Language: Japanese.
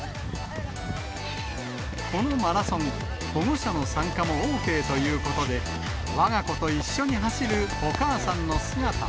このマラソン、保護者の参加もＯＫということで、わが子と一緒に走るお母さんの姿も。